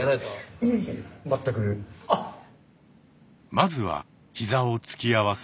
まずは膝を突き合わせ